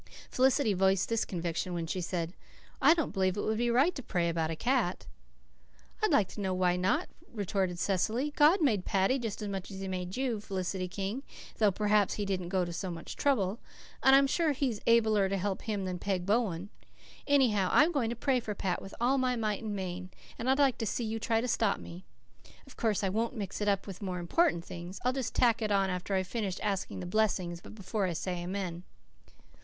Felicity voiced this conviction when she said, "I don't believe it would be right to pray about a cat." "I'd like to know why not," retorted Cecily, "God made Paddy just as much as He made you, Felicity King, though perhaps He didn't go to so much trouble. And I'm sure He's abler to help him than Peg Bowen. Anyhow, I'm going to pray for Pat with all my might and main, and I'd like to see you try to stop me. Of course I won't mix it up with more important things. I'll just tack it on after I've finished asking the blessings, but before I say amen."